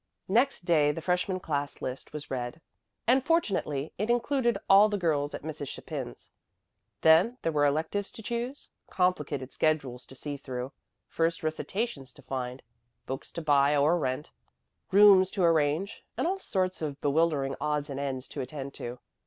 Next day the freshman class list was read, and fortunately it included all the girls at Mrs. Chapin's. Then there were electives to choose, complicated schedules to see through, first recitations to find, books to buy or rent, rooms to arrange, and all sorts of bewildering odds and ends to attend to.